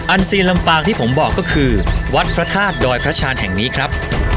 ซีนลำปางที่ผมบอกก็คือวัดพระธาตุดอยพระชาญแห่งนี้ครับ